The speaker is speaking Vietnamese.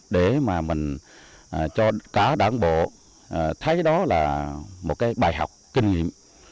để mà mình cho cả đảng bộ thấy đó là một cái bài học kinh nghiệm